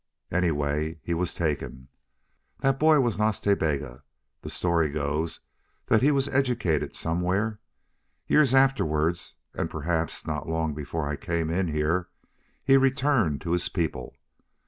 Anyway, he was taken. That boy was Nas Ta Bega. The story goes that he was educated somewhere. Years afterward, and perhaps not long before I came in here, he returned to his people.